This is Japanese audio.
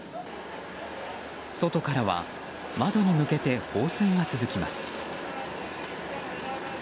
外からは、窓に向けて放水が続きます。